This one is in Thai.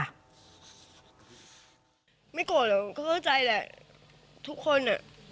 ไม่โกรธหรอกก็เข้าใจแหละทุกคนอ่ะ